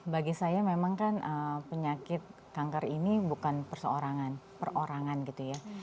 bagi saya memang kan penyakit kanker ini bukan perseorangan perorangan gitu ya